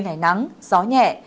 ngày nắng gió nhẹ